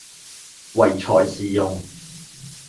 唯才是用